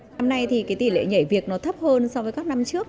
năm nay thì tỷ lệ nhảy việc thấp hơn so với các năm trước